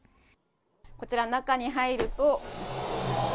こちら、中に入ると。